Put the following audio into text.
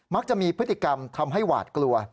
จะมีพฤติกรรมทำให้หวาดกลัว